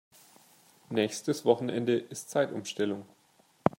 Nächstes Wochenende ist Zeitumstellung.